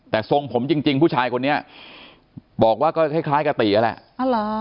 แต่ทรงผมจริงผู้ชายคนนี้บอกว่าก็คล้ายกับตีนั่นแหละ